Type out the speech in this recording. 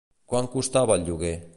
Quant costava el lloguer?